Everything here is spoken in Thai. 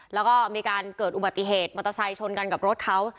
แล้วก็มีการเกิดอุบัติเหตุมอเตอร์ไซค์ชนกันกับรถเขา